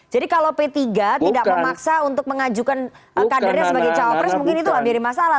jadi kalau p tiga tidak memaksa untuk mengajukan kadernya sebagai cawapres mungkin itu tidak menjadi masalah